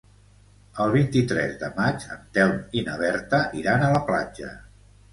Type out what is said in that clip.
El vint-i-tres de maig en Telm i na Berta iran a la platja.